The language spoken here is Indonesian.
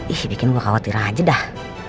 ih bikin gue khawatiran aja dah